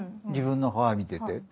自分の鏡見てて。